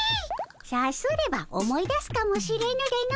さすれば思い出すかもしれぬでの。